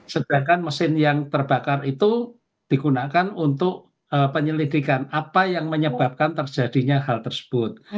sedangkan mesin yang terbakar itu digunakan untuk penyelidikan apa yang menyebabkan terjadinya hal tersebut